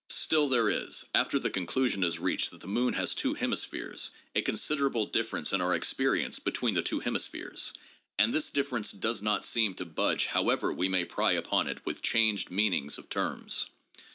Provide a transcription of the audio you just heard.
Still there is, after the conclusion is reached that the moon has two hemispheres, a con siderable difference in our experience between the two hemispheres, and this difference does not seem to budge however we may pry upon it with changed meanings of terms.